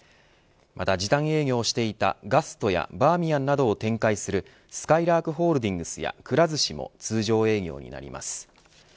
また、時短営業していたガストやバーミヤンなどを展開するすかいらーくホールディングスやくら寿司も通常営業になります。